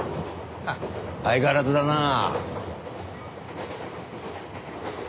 ハッ相変わらずだなあ。